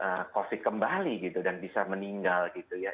untuk covid kembali gitu dan bisa meninggal gitu ya